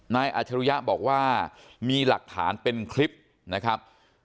อาจรุยะบอกว่ามีหลักฐานเป็นคลิปนะครับ